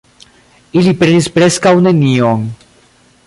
Ili prenis preskaŭ nenion.